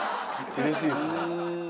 うれしいですね。